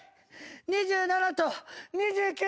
２７と２９です。